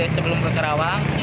sebelum ke karawang